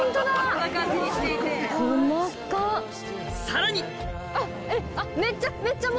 さらに！